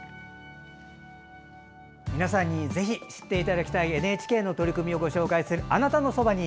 皆さんにぜひ知っていただきたいＮＨＫの取り組みをご紹介する「あなたのそばに」。